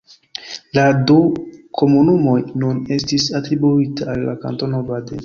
La du komunumoj nun estis atribuita al la Kantono Baden.